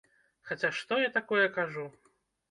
Хаця што я такое кажу?